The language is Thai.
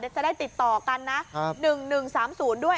จะได้ติดต่อกันนะ๑๑๓๐ด้วย